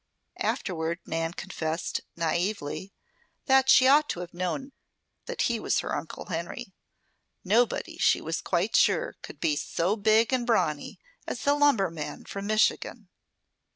Afterward Nan confessed, naively, that she ought to have known he was her Uncle Henry. Nobody, she was quite sure, could be so big and brawny as the lumberman from Michigan.